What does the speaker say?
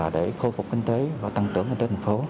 để khôi phục kinh tế và tăng trưởng trên thành phố